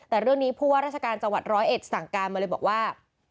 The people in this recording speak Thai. แต่เรื่องนี้ผู้ว่าราชการจังหวัดร้อยเอ็ดสั่งการมาเลยบอกว่า